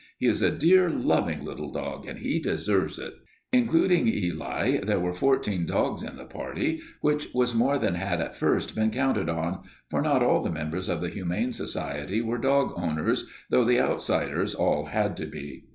He is a dear, loving little dog, and he deserves it." Including Eli, there were fourteen dogs in the party, which was more than had at first been counted on, for not all the members of the Humane Society were dog owners, though the outsiders all had to be.